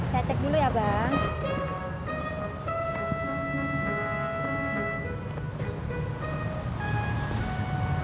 saya cek dulu ya bang